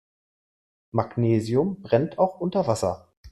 Magnesium brennt auch unter Wasser.